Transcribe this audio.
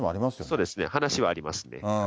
そうですね、話はありますね。